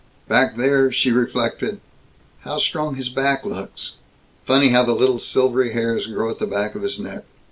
Back there, she reflected, "How strong his back looks. Funny how the little silvery hairs grow at the back of his neck."